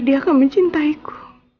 dia akan mencintaiku